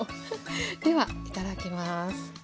ではいただきます。